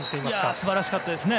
素晴らしかったですね。